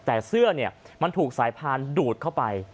แต่เสื้อมันถูกสายพานดูดเข้าไป